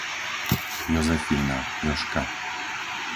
Jozefína, Jožka